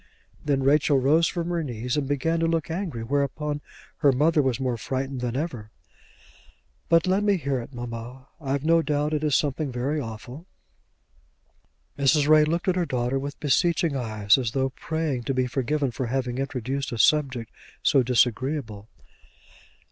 Then Rachel rose from her knees and began to look angry, whereupon her mother was more frightened than ever. "But let me hear it, mamma. I've no doubt it is something very awful." Mrs. Ray looked at her daughter with beseeching eyes, as though praying to be forgiven for having introduced a subject so disagreeable.